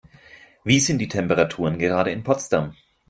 Wie sind die Temperaturen gerade in Potsdam?